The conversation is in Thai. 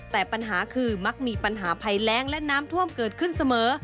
แต่ปัญหาคือมักมีปัญหาภัยแรงและน้ำท่วมเกิดขึ้นเสมอ